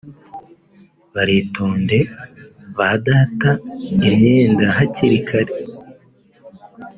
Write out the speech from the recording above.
baritonde badata imyenda hakiri kare